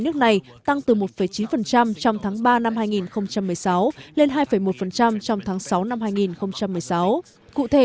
nước này tăng từ một chín trong tháng ba năm hai nghìn một mươi sáu lên hai một trong tháng sáu năm hai nghìn một mươi sáu cụ thể